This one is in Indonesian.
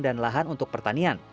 dan lahan untuk pertanian